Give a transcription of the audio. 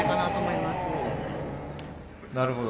なるほど。